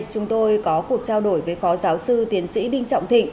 chúng tôi có cuộc trao đổi với phó giáo sư tiến sĩ đinh trọng thịnh